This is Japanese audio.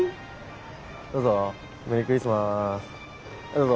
どうぞ。